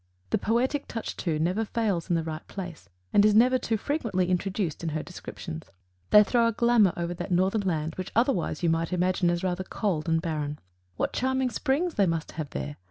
The poetic touch, too, never fails in the right place and is never too frequently introduced in her descriptions. They throw a glamor over that Northern land which otherwise you might imagine as rather cold and barren. What charming Springs they must have there!